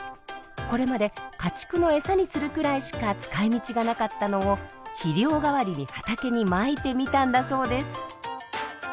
これまで家畜のエサにするくらいしか使いみちがなかったのを肥料代わりに畑にまいてみたんだそうです。